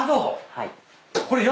はい。